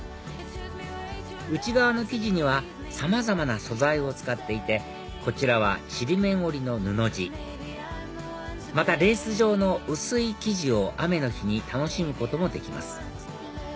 内側の生地にはさまざまな素材を使っていてこちらはちりめん織りの布地またレース状の薄い生地を雨の日に楽しむこともできます